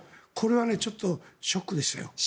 これはショックでしたよ。